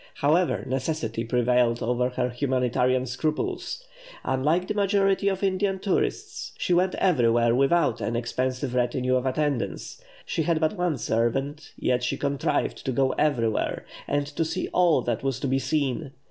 However, necessity prevailed over her humanitarian scruples. Unlike the majority of Indian tourists, she went everywhere without an expensive retinue of attendants; she had but one servant, yet she contrived to go everywhere, and to see all that was to be seen.